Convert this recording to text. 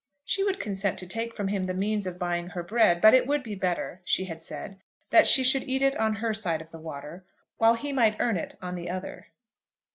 She would consent to take from him the means of buying her bread; but it would be better, she had said, that she should eat it on her side of the water, while he might earn it on the other.